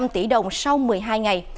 ba trăm linh tỷ đồng sau một mươi hai ngày